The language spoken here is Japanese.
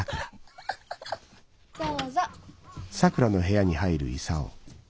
・どうぞ。